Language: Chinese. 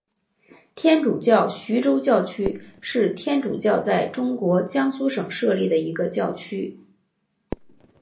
天主教徐州教区是天主教在中国江苏省设立的一个教区。